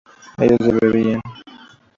ellas bebían